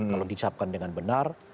kalau disiapkan dengan benar